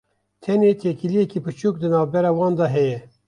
tenê têkiliyeke biçûk di navbera wan de heye.